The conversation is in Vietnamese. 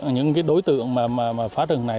những đối tượng phá rừng này